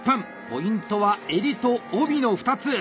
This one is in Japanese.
ポイントは襟と帯の２つ。